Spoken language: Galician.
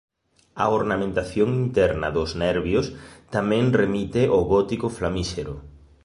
A ornamentación interna dos nervios tamén remite ao gótico flamíxero.